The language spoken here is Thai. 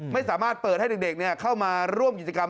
ไม่สามารถเปิดให้เด็กเข้ามาร่วมกิจกรรม